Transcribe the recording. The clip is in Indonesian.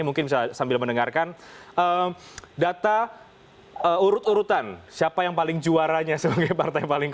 golkar paling banyak